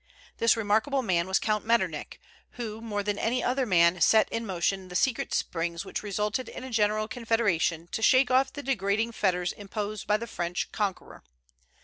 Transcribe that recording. This remarkable man was Count Metternich, who more than any other man set in motion the secret springs which resulted in a general confederation to shake off the degrading fetters imposed by the French conqueror.